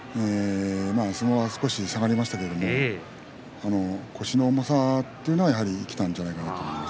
相撲、少し下がりましたけれども腰の重さというのが生きたんではないでしょうか。